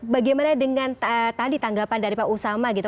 bagaimana dengan tadi tanggapan dari pak usama gitu